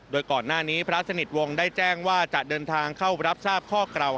โดยก่อนหน้านี้พระสนิทวงศ์ได้แจ้งว่าจะเดินทางเข้ารับทราบข้อกล่าว